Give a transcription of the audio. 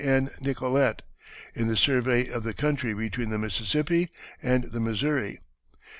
N. Nicolet, in the survey of the country between the Mississippi and the Missouri.